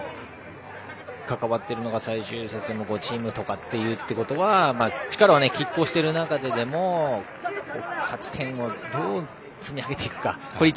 関わっているのが最終節のチームということは力はきっ抗している中でも勝ち点をどう積み上げていくか。